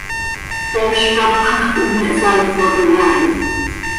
Peez cápxajö quih me hsaaipotim haa hi.